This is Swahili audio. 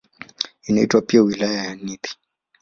Inaitwa pia "Wilaya ya Nithi".